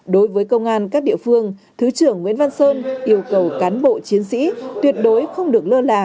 đối với công an các địa phương thứ trưởng nguyễn văn sơn yêu cầu cán bộ chiến sĩ tuyệt đối không được lơ là